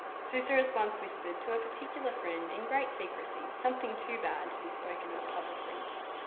Susurrus once whispered to a particular friend in great secrecy, something too bad to be spoke of pub licly.